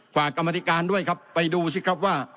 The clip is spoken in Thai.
กรรมธิการด้วยครับไปดูสิครับว่า